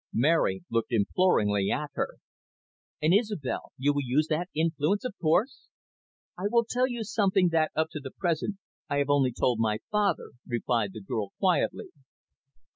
Mary looked imploringly at her. "And, Isobel, you will use that influence of course?" "I will tell you something that, up to the present, I have only told my father," replied the girl quietly.